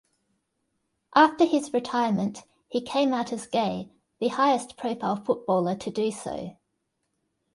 After his retirement, he came out as gay, the highest-profile footballer to do so.